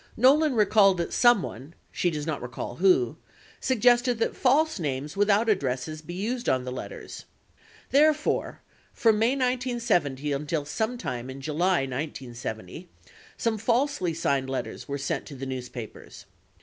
Nolan recalled that someone (she does not recall who) suggested that false names without addresses be used on the letters. Therefore, from May 1970 until sometime in July 1970, some falsely signed letters were sent to the newspapers.